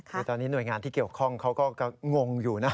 คือตอนนี้หน่วยงานที่เกี่ยวข้องเขาก็งงอยู่นะ